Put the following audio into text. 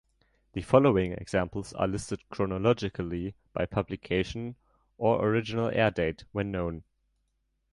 The following examples are listed chronologically by publication or original air date, when known.